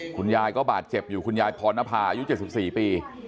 คุณยายก็บาดเจ็บอยู่คุณยายพรณภาอายุ๗๔ปี